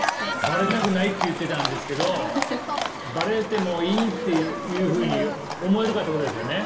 バレたくないって言ってたんですけどバレてもいいっていうふうに思えるかってことですよね？